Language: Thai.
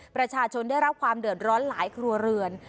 ประชาชนได้รับความเดือดร้อนหลายครัวเรือน